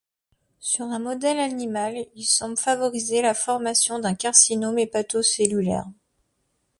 Sur un modèle animal, il semble favoriser la formation d'un carcinome hépatocellulaire.